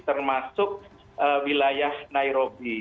termasuk wilayah nairobi